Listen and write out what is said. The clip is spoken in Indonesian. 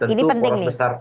ini penting nih